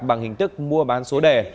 bằng hình thức mua bán số đề